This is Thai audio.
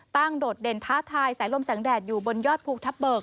ตากดดเถ็นท้าทายแสงแดดบนยอดภูทับเบิก